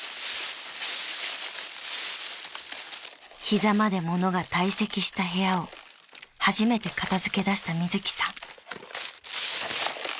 ［膝まで物が堆積した部屋を初めて片付けだしたみずきさん］